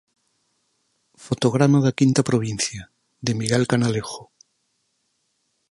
Fotograma da Quinta Provincia, de Miguel Conalejo.